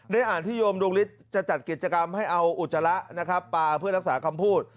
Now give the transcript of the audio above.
อ่านที่โยมดวงฤทธิ์จะจัดกิจกรรมให้เอาอุจจาระนะครับปลาเพื่อรักษาคำพูด